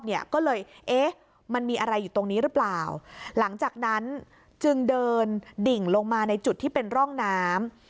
ก็เลยเอ๊ะมันมีอะไรอยู่ตรงนี้หรือเปล่าหลังจากนั้นจึงเดินดิ่งลงมาในจุดที่เป็นร่องน้ำ